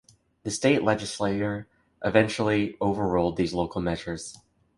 The state legislature eventually overruled these local measures.